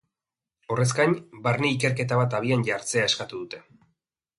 Horrez gain, barne-ikerketa bat abian jartzea eskatu dute.